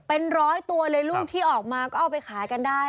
เป็นร้อยตัวเลยลูกที่ออกมาก็เอาไปขายกันได้